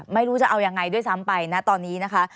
ไม่รู้จะเอายังไงด้วยซ้ำไปนะตอนนี้นะคะ